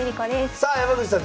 さあ山口さん